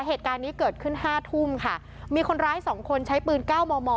เหตุการณ์นี้เกิดขึ้นห้าทุ่มค่ะมีคนร้ายสองคนใช้ปืนเก้ามอมอ